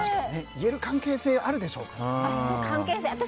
言える関係性はあるでしょうね。